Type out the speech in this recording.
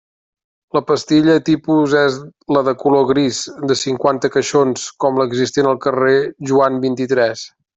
La pastilla tipus és la de color gris, de cinquanta caixons, com l'existent al carrer Joan vint-i-tres.